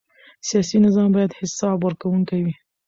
سیاسي نظام باید حساب ورکوونکی وي